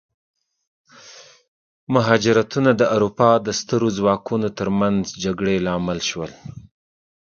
مهاجرتونه د اروپا د سترو ځواکونو ترمنځ جګړې لامل شول.